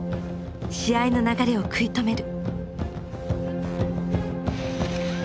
試合の流れを食い止める。